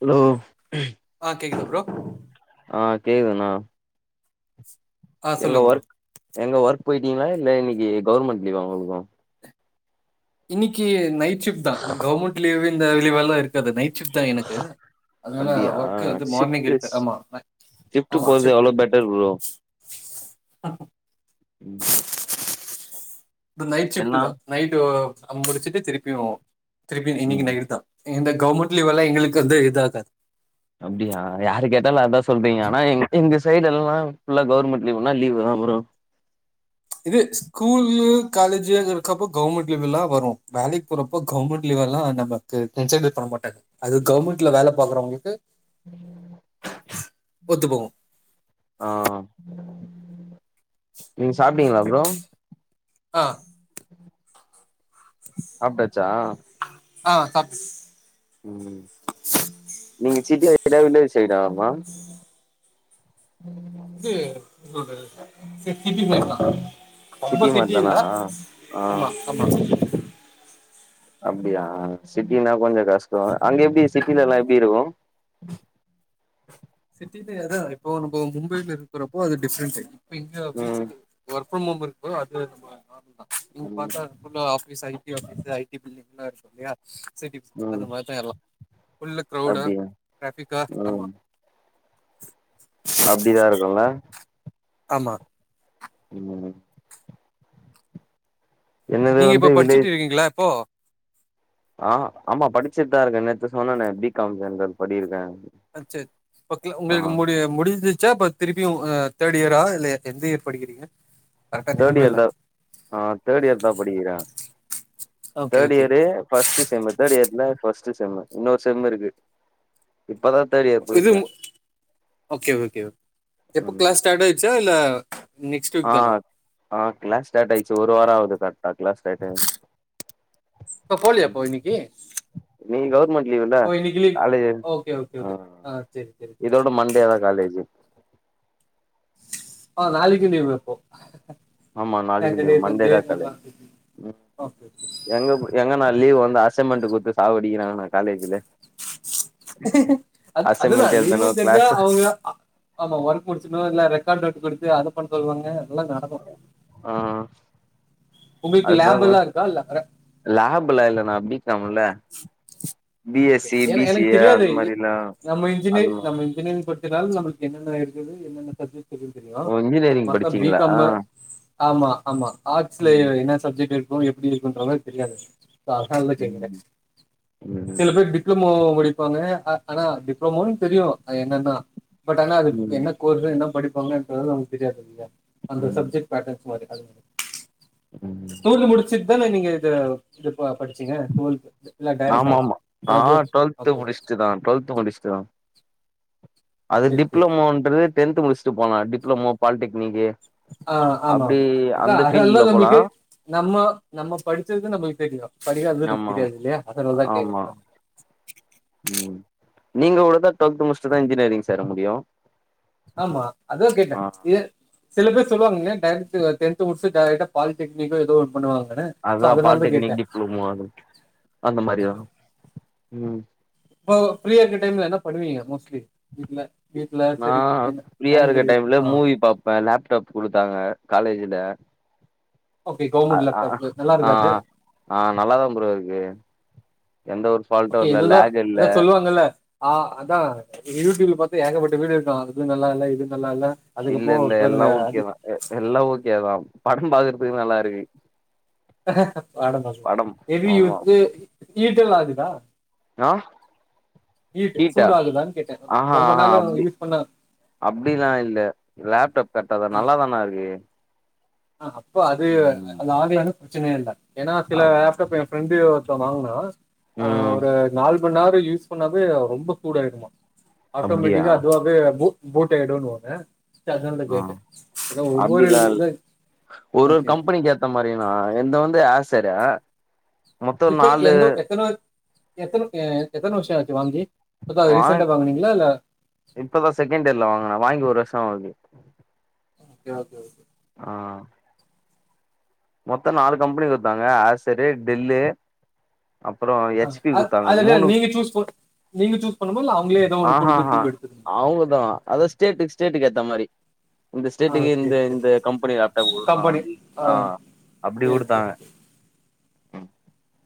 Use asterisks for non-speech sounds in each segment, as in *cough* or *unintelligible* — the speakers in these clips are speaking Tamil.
ஹலோ ம் ஆ கேக்குது ப்ரோ ஆ கேக்குதுணா ஆ சொல்லுங்க ப்ரோ ஒர்க் எங்க ஒர்க் போயிட்டீங்ளா இல்ல இன்னைக்கு கவர்மெண்ட் லீவா உங்களுக்கு இன்னைக்கு நைட் ஷிஃப்ட் தா கவர்மெண்ட் லீவ் இந்த லீவெல்லா இருக் காது நைட் ஷிஃப்ட் தா எனக்கு அதனால அப்டியா ஒர்க வந்து மார்னிங் இருக்கு ஆமா ஷிஃப்ட் போறது எவ்ளோ பெட்டெர் ப்ரோ *unintelligible* ம் து நைட் ஷிஃப்ட் எல்லா தா நைட்டு வ முடிச்சிட்டு திருப்பியு திருப்பி ம் இன்னைக்கி நைட் தா இந்த கவர்மெண்ட் லீவெல்லா எங்களுக்கு வந்து இதாகாது அப்டியா யார கேட்டாலு அதா சொல்றீங்க ஆனா எங்க சைடு எல்லா ஃபுல்லா கவுர்மெண்ட் லீவுனா லீவு தா ப்ரோ இது ஸ்கூல் காலேஜு இருக்கப்ப கவர்மெண்ட் லிவுலா வரு வேலைக்கு போறப்போ கவர்மெண்ட் லீவு எல்லா நம்ம கு கன்சைடர் பண்ண மாட்டாங்க அது கவர்மெண்ட்ல வேல பாக்குறவங்களுக்கு ஒத்து போவு ஆ நீங்க சாப்ட்டீங்ளா ப்ரோ ஆ சாப்ட்டாச்சா ஆ சாப்ஸ் ம் நீங்க சிட்டியா இல்ல வில்லேஜ் சைடாமா இது இன்னொன்னு சிட்டி சிட்டி சைடுதா ரொம்ப மாரி சிட்டி தானா இல்ல ஆ ஆமா ஆமா அப்டியா சிட்டினா கொஞ்சோ கஷ்டோ அங்க எப்டி சிட்டில எல்லா எப்டி இருக்கு சிட்டில அதா இப்போ நம்ப மும்பைல இருக்றப்போ அது டிஃப்ரெண்டு இப்ப இங்க ம் வீச்சுக்கு ஒர்க் ஒர்க் ஃப்ரம் ஹோம் இருக்கு ப்ரோ அது நம்ம பாக்லா இங் ம் பாத்தா ஃபுல்லா ஆபீஸ் ஐ டி ஆபீஸ் ஐ டி பில்டிங்லா இருக்கு இல்லயா சே டிஃப் ம் அது மாதிதா எல்லா ஃபுல்லா கிரௌடா அப்டியா ட்ராபிக்கா ம் ஆமா அப்டிதா இருக்குல்ல ஆமா இன்னொன்னு என்னது நீங்க வந்து இப்போ படிச்சுட்டு வில்லேஜ் இருக்கீங்ளா இப்போ ஆ ஆமா படிச்சுட் தா இருக்கே நேத்து சொன்னேனே பி காம் ஜென்ரல் படிருக்கே ஆ சேரி ஓகே உங்களுக்கு முடிய முடிஞ்சுச்சா இப்ப திருப்பியு அ தேர்ட் இயரா இல்ல எந்த இயர் படிக்கிறீங்க கரெக்டா தேர்ட் ஞாபகம் இயர் இல்ல தா ஆ தேர்ட் இயர் தா படிக்கிறே okay third okay year first sem third இயர்ல ஃபஸ்ட்டு செம்மு இன்னோரு செம்மு இருக்கு தேர்ட் இயர் இது போயிருக்கே ஓகே ஓகே எப்ப ம் கிளாஸ் ஸ்டார்ட் ஆய்ருச்சா இல்ல நெக்ஸ்ட் ஆ வீக் தானா ஆ க்ளாஸ் ஸ்டார்ட் ஆய்ட்ச்சு ஒரு வாரோ ஆகுது கரெக்ட்டா க்ளாஸ் ஸ்டார்ட் ஆயி இப்ப போலியா இப்ப இன்னைக்கி நீ கவர்மெண்ட் லீவுல்ல ஓ இன்னிக்கு leave college okay okay okay ஆ செரி செரி செரி இதோட மண்டே தா காலேஜு ஆ நாளைக்கு லீவு அப்போ ஆமா நாளைக்குலீவு சாட்டர்டே மண்டே சண்டே தா காலேஜ் எல்லாம் ம் ஓகே ஓகே எங்க போய் எங்கண்ணா லீவ் வந்து அசைன்மெண்ட்டு குடுத்து சாவ் அடிக்கிறாங்கண்ணா காலேஜ்ஜூல அ அதுதா அசைன்மெண்ட் லீவு எழுதணு தெரிஞ்சா கிளாஸ் அவுங்க ஆமா ஒர்க் முடிச்சுர்னு இல்ல ரெக்கார்டு நோட் குடுத்து அத பண்ண சொல்லுவாங்க ல்ல நடக்கு ஆ உங்களுக்கு லேபெல்லா இருக்கா இல்ல லேப்புலா இல்ல அண்ணா பி காம் முல்ல B okay S okay C B எனக்கு சி எனக்கு ஏ தெரியாது அந்த மாரில அது வினைவுபடுத்தினால் நம்மளுக்கு என்னென்ன இருக்குது என்னன்ன சப்ஜெக்ட் னு தெரியு ஓ இன்ஜினியரிங் மத்த பி படிச்சீங்களா ஆ கம்மு ஆமா ஆமா ஆர்ட்ஸ்ல ம் என்ன சப்ஜெக்ட் இருக்கு எப்டி இருக்குன்றதே தெரியாது அ உக்காந்து ம் செய்யரேக்ஸ் ம் சில பேர் டிப்ளமோ படிப்பாங்க ஆனா டிப்ளமோ தெரியு அது என்னன்னா பட் ஆனா அதுக்கு ம் என்ன கோர்ஸ் என்ன படிப்பாங்கன்றது நமக்கு தெரியாது இல்லயா அந்த ம் சப்ஜெக்ட் பேட்டர்ன் அது ம் தொகுதி முடி முடிச்சிட் தான நீங்க இது படிச்சீங்க டுவல்து இல்ல டேரெக்ட் ஆமாமா ஆ டுவெல்து முடிச்ட்டுதா டுவெல்து முடிச்ட்டுதா அது சரி சரி டிப்ளமோன்றது டென்த்து முடிச்ட்டு போலா டிப்ளமோ பாலிடெக்னிக்கு ஆ ஆமா அப்டி அதா அந்த அதெல்லா ஃபீல்டுல போலா நம்ளுக்கு நம்ம நம்ம படிச்சது நம்ளுக்கு தெரியு படிக்காதது நமக்கு ஆமா தெரியாது இல்லையா அதனாலதா கேக்ற ஆமா நம் ம் நீங்க கூட தா ட்வெல்த் முட்ஸ்ட்டுதா இன்ஜினியரிங் சேர முடியு ஆமா அதா கேட்டே ஆ இது சிலபேர் சொல்வாங்கல டேரெக்ட் டென்த் முடிச்ட்டு டேரெக்டா பாலிடெக்னிக்கோ ஏதோ ஒண்ணு பண்ணுவாங்கனு அதா பாலிடெக்னிக் டிப்ளமோ அது அந்த மாரியா ஓகே, ம் இப்போ ஃப்ரீாயா இருக்க டைம்ல என்ன பண்ணுவீங்க மோஸ்ட்லி வீட்ல வீட்ல நா சரி என்ன டைம் கெடைக்குமா இப்ப லேப்டாப் குடுத்தாங்க காலேஜ்ஜூல ஓகே கவ்ர்ருமெண்ட் லேப்டாப் நல்லா ஆ இருக்கா அது ஆ நல்லாதா ப்ரோ இருக்கு எந்த ஒரு ஃபால்ட்டு ஓகே இல்ல ஏதேதோ லேக் இல்ல ஏதோ சொல்வாங்கல்ல ஆ அதா யூடியூப்ல பாத்து ஏகப்பட்ட வீடியோ இருக்கு அது நல்லால்ல இது நல்லால்ல இல்லெல்ல எல்லா ஓகே தா எல்லா ஓகே தா படம் பாக்கற்துக்கு நல்லா இருக்கு படம் பாக்கறதுக்கு ஹெவியுந்து ஹீட்டு ஆகுதா ஆ ஹுட் ஹீட்டா சூடு ஆகுதானு கேட்ட ஆஹா ரொம்ப ஆஹா நாள்ள அப்டி யூஸ் பண்ணா அப்டிலா இல்ல லேப்டாப் கரெக்டா ஆ நல்லா தானா இருக்கு அப்போ அது ம் அது ஆகலான பிரச்சனையே இல்ல ஏன்னா சில அவ் லேப்டாப் ஃபிரெண்டு ஒருத்த வாங்னா ம் ஒரு நாள் ரொம்ப நேரோ யூஸ் பண்ணாவே ரொம்ப சூட ஆய்டுமா அப்டியா ஆட்டோமெட்டிக்கா அதுவாவே ஓட்டை ஆயிடுனுவாங்க அதனால தா ஆ கேட்டே ஏனா ஒவ்வொரு அப்டிலா இல் இது ஒரு ஒரு கம்பெனிக்கு ஏத்த மாரினா என்பது வந்து ஆசர்ரு மொத்தோ இப்ப நாலு எந்த எத்தன எத்தன எத்தன வர்ஷோஆச்சு வாங்கி இப்பதா வாங் ரீசண்ட்டா வாங்குனீங்ளா இல்ல இப்பதா செகண்ட் இயர்ல வாங்ன வாங்கி ஒரு வர்ஷோ ஆகுது ஓகே ஓகே ஆ மொத்த நாலு கம்பெனி குட்த்தாங்க ஆசரு டெல்லு அப்புற ஆ ஹெச் பி அது குத்தாங்க அதுல மூணு நீங்க சூஸ் பண் நீங்க சூஸ் பண்ணுமா இல்ல அவங்களே ஏதோ ஒன்னு ஆஹாஹா குடுக்குறது எடுத்துக்கணுமா அவுங்கதா அதா ஸ்டேட்டுக் ஸ்டேட்டுக் ஏத்த மாரி இந்த ஆ ஸ்டேட்டுக்கு இந்த சரி சரி இந்த கம்பெனி லேப்டாப் குடுத்தோ அப்டி ஆ அப்டி சரி சரி குடுத்தாங்க சரி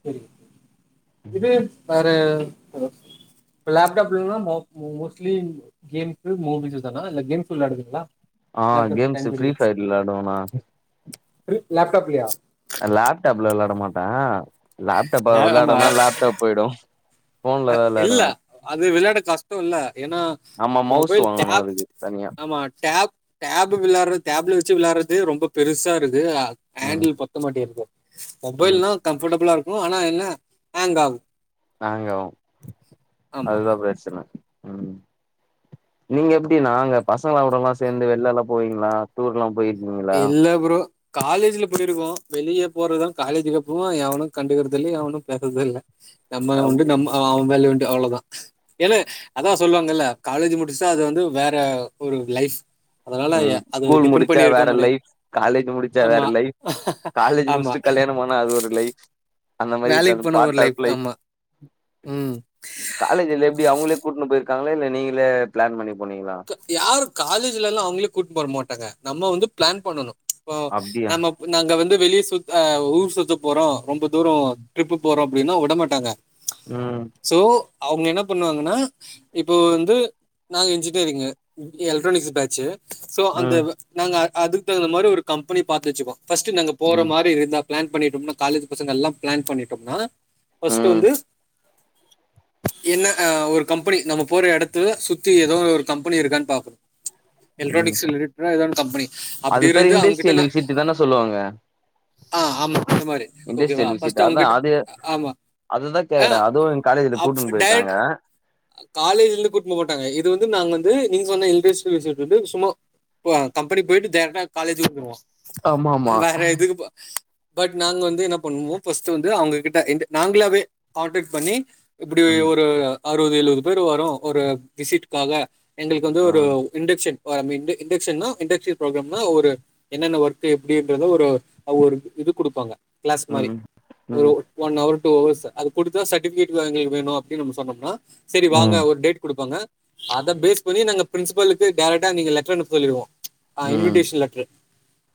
சரி இது வேற லேப்டாப் இல்லனா மோ மோஸ்ட்லி கேம்ஸு மூவீஸ்ஸுதனா இல்ல கேம்ஸ் விளையாடுவிங்ளா ஆ கேம்ஸ் ஃப்ரீ ஃபயர் விளையாடுவோனா ஃப்ரீ லேப்டாப் லயா லேப்டாப்ல விளாட மாட்ட லேப்டாப்ல ஆ ஆமா விளையாடுனா லேப்டாப் போயிடு ஃபோன்ல தா இல்ல விளாடுவே அது விளாட கஷ்டோல எனா நம்ம மவுஸ் மொபைல் வாங்கணு டேப் அதுக்கு தனியா ஆமா டேப் டேபு விளாற்றோ டேப்ல வச்சு விளாற்றதே ரொம்ப பெருசா இருக்கு ம் ஹேண்டில் பத்த மாட்டேங்குது ம் மொபைல்னா கம்ஃப்படபிளா இருக்கு ஆனா என்ன ஹேங் ஆவு ஹேங் ஆவு ஆமா அதுதா பிரச்சன ம் நீங்க எப்டிணா அங்க பசங்களோடலா சேந்து வெள்லலா போவீங்ளா டூர் லா போயிருக்கிங்க இல்ல ப்ரோ காலேஜில போயிருக்கோ வெளியே போறதோ காலேஜுக்கு அப்புறமா எவனு‌ கண்டுக்கற்தில்ல எவனு பேசற்து இல்ல நம்ம உண்டு அப்டி நம்ம அவ வேல உண்டு அவ்ளதா ஏண அதா சொல்லுவாங்கல்ல காலேஜு முடிச்சா அது வந்து வேற ஒரு லைஃப் அதனால எ ம் அது ஸ்கூல் டிபெண்ட் முடிச்சா பண்ணி இருக் வேற லைஃப் காலேஜி முடிச்சா வேற லைஃப் காலேஜி ஆமா முடிச்ட்டு கல்யாண பண்ணா அது ஒரு லைஃப் அந்த மாரி வேலைக்கு தது போன ஒரு பார்ட் ஆஃப் லைஃப் ஆமா ம் காலேஜில எப்டி அவுங்களே கூட்னு போயிருக்காங்கள இல்ல நீங்களே பிளான் பண்ணி போனீங்ளா யாரு காலேஜ்லலா அவுங்ளே கூட் போர மாட்டாங்க நம்ம வந்து பிளான் பண்ணணு இப்போ அப்டியா நம்ம நாங்க வந்து வெளிய சுத் ஆ ஊர் சுத்த போறோ ரொம்ப தூரோ ட்ரிப்பு போறோ அப்டின்னா வுட மாட்டாங்க ம் சோ அவுங்க என்ன பண்ணுவாங்கனா இப்போ வந்து நாங்க engineering electronics batch so அந்த ம் நாங்க அதுக் தகுந்த மாரி ஒரு கம்பெனி பாத்து வச்சுப்போ ஃபர்ஸ்டு நாங்க போற ம் மாரி இருந்தா பிளான் பண்ணிட்டோம்னா காலேஜி பசங்க எல்லா பிளான் பண்ணிட்டோம்னா பஸ்ட்டு ம் வந்து என்ன அ ஒரு கம்பெனி நம்ம போற எடத்த சுத்தி ஏதோ ஒர் கம்பெனி இருக்கான் பாப்போம் ம் எலக்ட்ரானிக்ஸ் ரிலேட்டடா ஏதா ஒன் கம்பெனி அப்படி அது பேர் இருந்து அவங்ககிட்ட இண்டஸ்ட்ரியல் நான் விஸிட் தான சொல்லுவாங்க ஆ ஆமா அது மாரி ஓகே வா இண்டஸ்ட்ரியல் விசிட் ஃபஸ்ட்டு அதா அவுங்ககிட்ட ஆமா அது தா ஆ கேக்கறே அதுவும் எங்க காலேஜ்ல அப் கூட்டுன் டைரக்ட் போயிருக்காங்க காலேஜ்ல இந்து கூட்னு போமாட்டாங்க இது வந்து நாங்க வந்து நீங்க சொன்ன இன்டஸ்ட்ரியல் விஸிடு வந்து சும்மா புவாங் கம்பெனி போயிட்டு டேரக்ட்டா காலேஜுக் போயிருவோ ஆமா ஆமா வேற எதுக்கு பட் நாங்க வந்து இன்ன பண்ணுவோ ஃபர்ஸ்டு வந்து அவுங்க கிட்ட இந்த நாங்ளாவே கான்டக் பண்ணி இப்டி ம் ஒரு அறுபது எழுவது பேர் வரோ ஒரு விசிட்காக எங்களுக்கு வந்து ஆ ஒரு இன்டக்ஷன் போற மேர் இன்டக்ஷன் னா இன்டக்ஷன் ப்ரோக்ராம்னா ஒரு என்னென்ன ஒர்க்கு எப்டின்றத ஒரு ஒரு இது குடுப்பாங்க கிளாஸ் மாரி ம் ஒரு ம் ஒன்னவர் டூ ஹவர்ஸு அது குடுத்தா சர்டிபிகேட் வாங்கய் வேணு அப்டின் நம்ம சொன்னோம்னா செரி வாங்க ம் ஒரு டேட் குடுப்பாங்க அத பேஸ் பண்ணி நாங்க பிரின்சிபலுக்கு டேரக்டா நீங்க லெட்டர் அனுப்ப சொல்லிடுவோ ஆ ம் இன்விட்டேஷன் லெட்ரு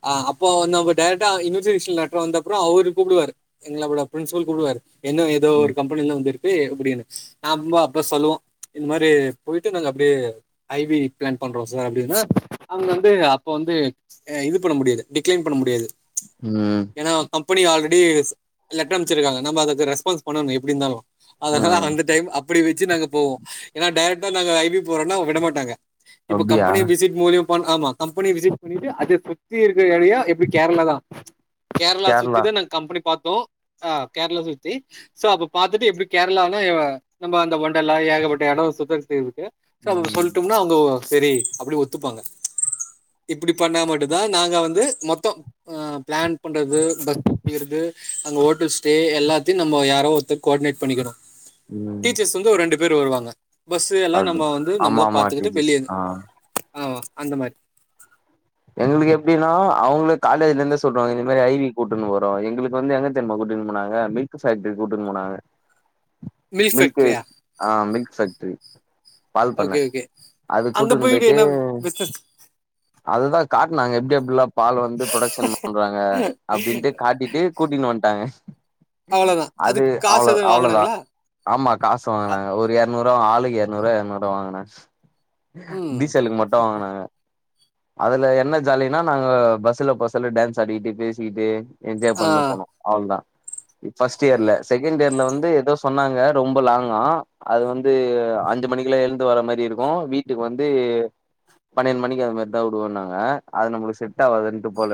ஆ அப்போ நம்ம டைரக்டா இன்விட்டேஷன் லெட்டர் வந்த அப்புறொம் அவுரு கூப்புடுவாரு எங்களோட பிரின்சிபல் கூப்டுவாரு என் ஏதோ ஒரு ம் கம்பெனிலிருந்து வந்திருக்கு அப்டின்னு நம்ப அப்ப சொல்லுவோம் இந்த மாதிரி போயிட்டு நாங்க அப்டியே ஐ வி பிளான் பண்றோம் சார் அப்டின்னா அவுங்க வந்து அப்போ வந்து அ இது பண்ண முடியாது டிக்ளைன் பண்ண முடியாது ம் ஏன்னா கம்பெனி ஆல்ரெடி லெட்டர் அனுப்ச்சிருக்காங்க நம்ம அதுக்கு ரெஸ்பான்ஸ் பண்ணணும் எப்டி இருந்தாலும் அதுனால ம் அந்த டைம் அப்டி வெச்சு நாங்க போவோம் ஏன்னா டைரக்டா நாங்க ஐ வி போறோன்னா அவு விட மாட்டாங்க இப்போ அப்டியா கம்பெனி விசிட் மூலியம் பண் ஆமா கம்பெனி விசிட் பண்ணிட்டு அத சுத்தி இருக்குற ஏரியா எப்டி கேரளா தான் கேரளா சுத்தி தா நாங் கம்பெனி பாத்தோம் ஆ கேரளா சுத்தி சோ அப்ப பாத்துட்டு எப்டி கேரளானா நம்ம அந்த ஒண்டல்லா ஏகப்பட்ட எடம் சுத்த சுத்தி இருக்கு சோ அவுங் ம் சொல்ட்டோம்னா அவுங்கோ சரி அப்டின் ஒத்துப்பாங்க இப்டி பண்ணா மட்டும் தான் நாங்க வந்து மொத்தொ ஆ பிளான் பண்றது பஸ் ட்ரிப் புடிக்கிறது அங்க ஹோட்டல் ஸ்டே எல்லாத்தையும் நம்ம யாரோ ஒருத்தர் கோஆட்னேட் பண்ணிக்கிணும் ம் சொந்த ஊரு ரெண்டு பேரு வருவாங்க பஸ் எல்லா அப்டி நம்ம வந்து ஆமா நம்மதா ஆமா பாத்துக்கிட்டு டீச்சர்ஸ் வெளிய ஆ ஆ அந்த மாரி எங்களுக்கு எப்டின்னா அவுங்களே காலேஜ்ல இருந்து சொல்லுவாங்க இந்த மாரி ஐ வி கூட்டுன்னு போறோம் எங்களுக்கு வந்து எங்க தெரிம கூட்டிட்டுனு போனாங்க மில்க் ஃபேக்டரி கூட்டிட்டின்னு போனாங்க மில்க் மில்க்கு ஃபேக்டரியா ஆ மில்க் ஃபேக்ட்ரி பால் பண்ண ஓகே ஓகே அதுக் அங்க கூட்டுன்னு போயிட்டு என்ன பிசினஸ் அப்ப தா காட்னாங்க எப்டி எப்டி எல்லா பால் வந்து ப்ரொடக்ஷன் பண்றாங்க அப்டின்ட்டு கா காட்டிட்டு கூட்டினு வந்ட்டாங்க அவ்வளவுதான் அது அதுக்கு காசு அவ்ளோ எதுவும் அவ்ளோதான். வாங்கினாங்களா ஆமா காசு அ- வாங்குனாங்க. ஒரு எற நூறுவா ஆளுக்குக்கு எறநூறு எருநூறுவா வாங்குனாங் ம் டீசல்க்கு மட்டும் வாங்குனங்க. அதுல, என்ன ஜாலின்னா நாங்க பஸ்ல பசல்ல டான்ஸ் ஆடிக்கிட்டு பேசிக்கிட்டு என்ஜாய் ஆ, பண்ண போனோம். அவ்ள்தான். ஃபஸ்ட் இயர்ல செகண்ட் இயர்ல வந்து ஏதோ சொன்னாங்க. ரொம்ப லாங்கா அது வந்து. ஒரு அஞ்சு மணிக்குல எழ்ந்து வர மாரி இருக்கும். வீட்டுக்கு வந்து பன்னிரெண்டு மணிக்கு வர மாரி. வந்தா விடுவோம்னாங்க அது நம்மளுக்கு செட் ஆவதுன்ட்டு போல,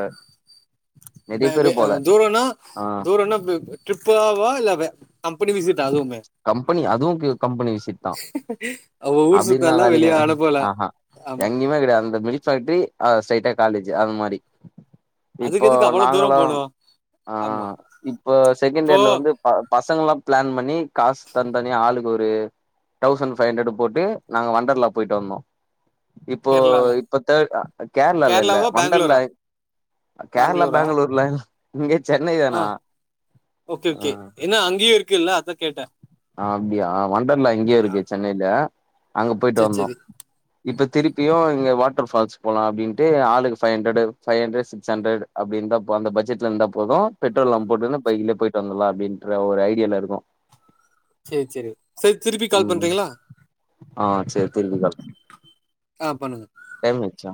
நெறைய த பேரு து போல தூரோனா ஆ தூரன்னா ட்ரிப்பாவா இல்ல கம்பெனி விசிட்டா அதுவுமே. கம்பெனி அதுவு கம்பெனி விசிட் தா அவ ஊர் சுத்தம் அப்டின்னா எல்லாம் வேலைக்கு வெளியே அனுப்பல ஆஹா ஆமா எங்கேயுமே கெடையாது. அந்த மில்க் ஃபேக்டரி ஸ்ட்ரைட்டா காலேஜ் அந்த மாதிரி. இப்போ அதுக்கு எதுக்கு அவ்வளோ தூரம் நாங்களு போணும் ஆ ஆமா இப்போ செகண்ட் இப்போ இயர்ல வந்து. பசங்கல்லா பிளான் பண்ணி, காசு தனி தனி ஆளுக்கு. ஒரு தௌசண்ட் ஃபைவ் ஹண்ட்ரட் போட்டு நாங்க வண்டர்லா போய்ட்டு வந்தோ கேரளால தே கேரளால இல்ல கேரளாவா வண்டர்ல பெங்களூரா கேரளா பெங்களூர்ல. நீங்க சென்னையா ஆஹ். ஓகே ஓகே என்னா அங்கேயும் இருக்குல்ல அதான் கேட்டேன். ஆ. அப்டியா வண்டர்லா இங்கயே ஆ, இருக்கு சென்னையில அங்க போயிட்டு சரி வந்தோம். சரி இப்ப திருப்பியும் இங்க வாட்டர் ஃபால்ஸ் போலாம். அப்படின்ட்டு ஆளுக்கு five hundred five hundred six hundred அப்படி இருந்தாப் போ அந்த பட்ஜெ்ல இருந்தா போதும் பெட்ரோல் நம் போட்டுருந்து பைக்லய போயிட்டு வந்தர்ல அப்டின்ற ஒரு ஐடியாவில இருக்கும். செர் செரி செர் திருப்பி கால் பண்றீங்களா? ஆஹ் செர் செரி *inaudible* ஆ பண்ணுங்க. டைம் ஆச்சா